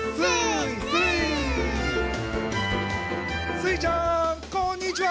スイちゃんこんにちは！